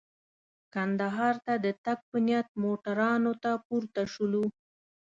کندهار ته د تګ په نیت موټرانو ته پورته شولو.